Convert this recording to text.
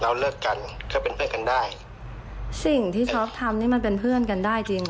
เราเลิกกันเพื่อเป็นเพื่อนกันได้สิ่งที่โทรทํ้มันกันได้จริงอ่อ